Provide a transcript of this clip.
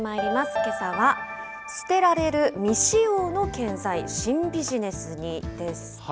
けさは捨てられる未使用の建材、新ビジネスにです。